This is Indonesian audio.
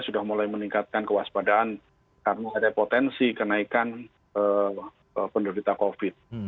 sudah mulai meningkatkan kewaspadaan karena ada potensi kenaikan penderita covid